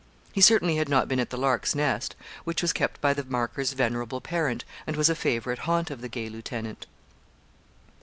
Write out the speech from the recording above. He certainly had not been at the 'Lark's Nest,' which was kept by the marker's venerable parent, and was a favourite haunt of the gay lieutenant.